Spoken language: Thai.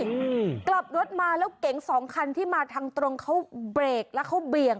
อืมกลับรถมาแล้วเก๋งสองคันที่มาทางตรงเขาเบรกแล้วเขาเบี่ยง